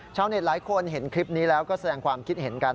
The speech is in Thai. ชาวเน็ตหลายคนเห็นคลิปนี้แล้วก็แสดงความคิดเห็นกัน